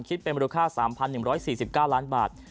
คิดเป็นมูลค่า๓๑๔๙ล้านบาท